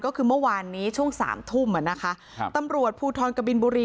ก็คือเมื่อวานนี้ช่วง๑๓ทุ่มนะคะตำรวจภูทรกบิลบุรี